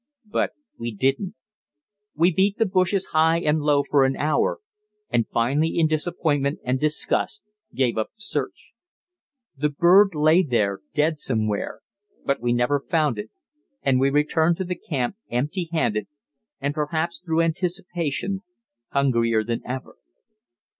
But we didn't. We beat the bushes high and low for an hour, and finally in disappointment and disgust gave up the search. The bird lay there dead somewhere, but we never found it, and we returned to camp empty handed and perhaps, through anticipation, hungrier than ever.